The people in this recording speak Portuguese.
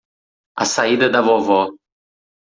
A saída da vovó